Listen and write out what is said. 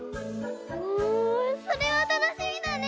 おおそれはたのしみだね！